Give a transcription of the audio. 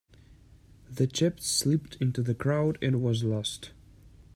The chap slipped into the crowd and was lost.